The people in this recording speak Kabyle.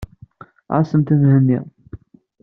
Ɛassemt Mhenni.